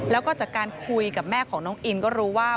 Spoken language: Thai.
แล้วก็จากการคุยกับแม่ของน้องอินก็รู้ว่า